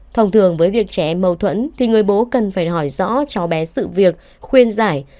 thông thường với việc trẻ em mâu thuẫn thì người bố cần phải hỏi rõ cháu bé sự việc khuyên giải